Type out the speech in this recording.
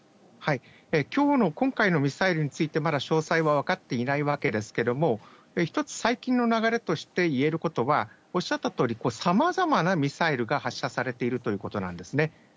きょうの、今回のミサイルについて、まだ詳細は分かっていないわけですけども、一つ最近の流れとして言えることは、おっしゃったとおり、さまざまなミサイルが発射されているということがなんですね。